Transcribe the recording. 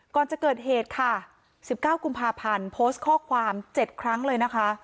ก่อนจะเกิดเหตุค่ะ๑๙กุมภาพันธ์โพสต์ข้อความ๗ครั้งเลยนะคะ